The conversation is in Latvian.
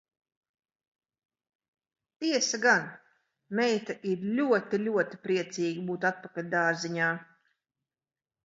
Tiesa gan, meita ir ļoti, ļoti priecīga būt atpakaļ dārziņā.